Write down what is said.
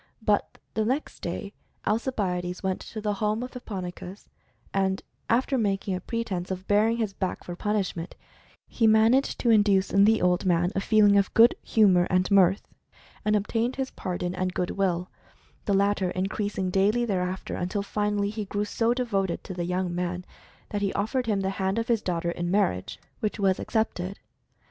But the next day Al cibiades went to the home of Hipponikos and, after making a pretence of baring his back for punishment, he managed to induce in the old man a feeling of good Story of Mental Fascination 29 humor and mirth, and obtained his pardon and good will, the latter increasing daily thereafter until finally he grew so devoted to the young man that he offered him the hand of his daughter in marriage, which was accepted.